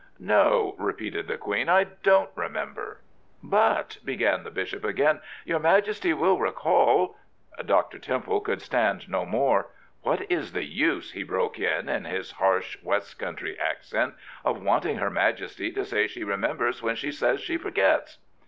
"No," repeated the Queen; "I don't remember." " But," began the Bishop again, " your Majesty will recall " Dr. Temple could stand no more. " What is the use," he broke in, in his harsh West Country accent, " of wanting her Majesty to say she remembers when she says she forgets?